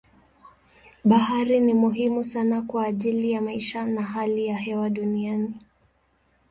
Bahari ni muhimu sana kwa ajili ya maisha na hali ya hewa duniani.